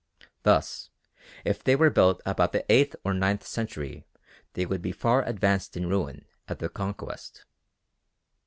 Thus, if they were built about the eighth or ninth century they would be far advanced in ruin at the Conquest.